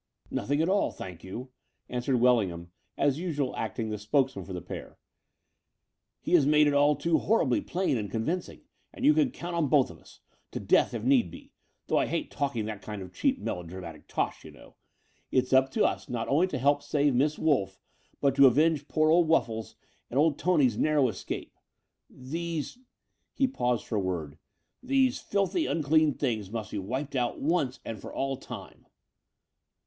"Nothing at all, thank you," answered Welling ham, as usual acting as spokesman for the pair. "He has made it all too horribly plain and con vincing; and you can count on both of us — ^to death, if need be, though I hate talking that kind of cheap melodramatic tosh, you know It's up to us not only to help to save Miss Wolff, but to avenge poor old Wuffles and old Tony's narrow escape. These" — ^he paused for a word — "these filthy unclean things must be wiped out once and for all time."